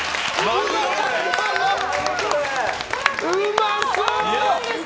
うまそう！